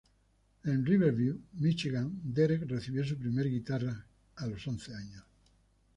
En Riverview, Michigan, Derek recibió su primer guitarra a los once años.